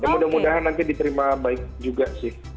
mudah mudahan nanti diterima baik juga sih